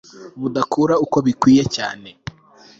budakura uko bikwiye cyane